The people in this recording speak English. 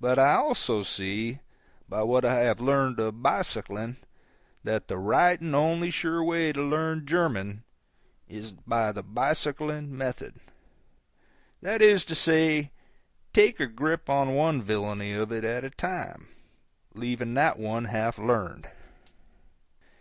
But I also see, by what I have learned of bicycling, that the right and only sure way to learn German is by the bicycling method. That is to say, take a grip on one villainy of it at a time, and learn it—not ease up and shirk to the next, leaving that one half learned.